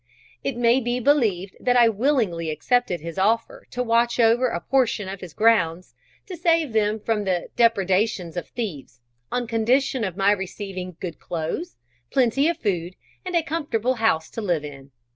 It may be believed that I willingly accepted his offer to watch over a portion of his grounds, to save them from the depredations of thieves, on condition of my receiving good clothes, plenty of food, and a comfortable house to live in.